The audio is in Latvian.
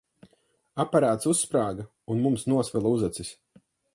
Aparāts uzsprāga, un mums nosvila uzacis.